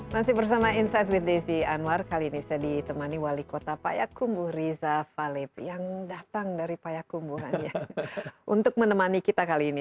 masih bersama insight with desi anwar kali ini saya ditemani wali kota payakumbuh riza valid yang datang dari payakumbuhannya untuk menemani kita kali ini